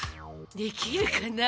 できるかな。